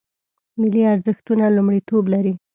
ملي ارزښتونه لومړیتوب لري